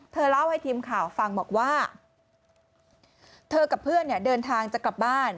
เล่าให้ทีมข่าวฟังบอกว่าเธอกับเพื่อนเนี่ยเดินทางจะกลับบ้าน